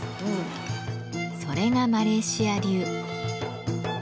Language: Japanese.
それがマレーシア流。